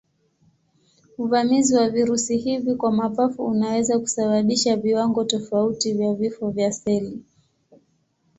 Uvamizi wa virusi hivi kwa mapafu unaweza kusababisha viwango tofauti vya vifo vya seli.